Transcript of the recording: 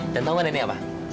dan tau nggak nenek apa